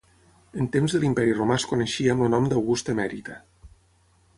En temps de l'Imperi Romà es coneixia amb el nom d'Augusta Emèrita.